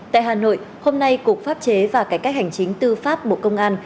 tại hà nội hôm nay cục pháp chế và cải cách hành chính tư pháp bộ công an